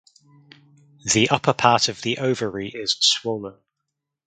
The upper part of the ovary is swollen.